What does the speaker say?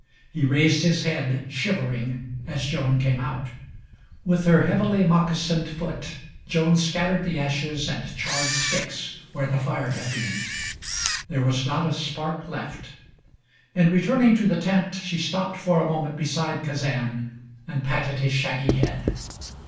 He raised his head, shivering, as Joan came out. With her heavily moccasined foot Joan scattered the ashes and charred sticks where the fire had been. There was not a spark left. In returning to the tent she stopped for a moment beside Kazan, and patted his shaggy head.